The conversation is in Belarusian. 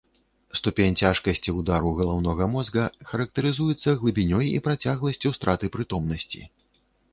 Ступень цяжкасці ўдару галаўнога мозга характарызуецца глыбінёй і працягласцю страты прытомнасці.